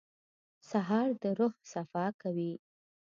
سهار د روح صفا کوي.